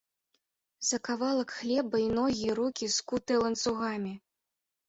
За кавалак хлеба і ногі і рукі скутыя ланцугамі.